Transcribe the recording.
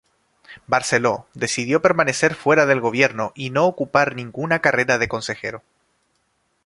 Barceló decidió permanecer fuera del gobierno y no ocupar ninguna cartera de consejero.